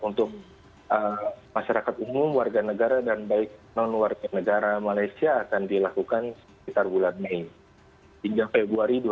untuk masyarakat umum warga negara dan baik non warga negara malaysia akan dilakukan sekitar bulan mei hingga februari dua ribu dua puluh